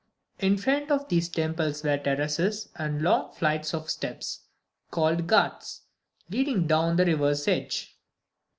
In front of these temples were terraces and long flights of steps, called "ghats" leading down to the river's edge.